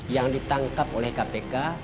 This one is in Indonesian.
yang ditangkap oleh kpk